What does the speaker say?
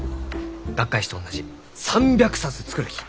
学会誌と同じ３００冊作るき！